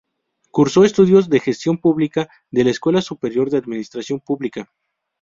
Cursó estudios de Gestión Pública de la Escuela Superior de Administración Pública.